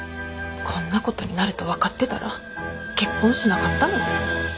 こんなことになると分かってたら結婚しなかったのに。